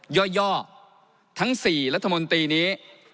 ย่อทั้ง๔รัฐมนตรีนี้